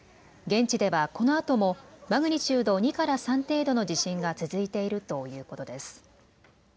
現地ではこのあともマグニチュード２から３程度の地震が続いているということです。